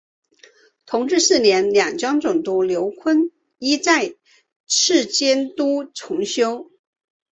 同治四年两江总督刘坤一再次监督重修。